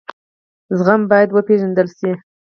زخم باید وپېژندل شي.